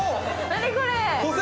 何これ。